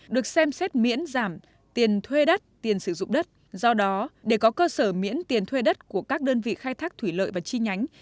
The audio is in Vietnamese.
được xem xét miễn giảm tiền thuê đất tiền sử dụng đất do đó để có cơ sở miễn tiền thuê đất của các đơn vị khai thác thủy lợi và chi nhánh